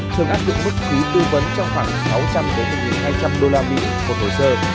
thường áp dụng mức phí tư vấn trong khoảng sáu trăm linh đến một hai trăm linh usd của hồ sơ